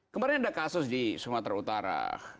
kemarin ada kasus di sumatera utara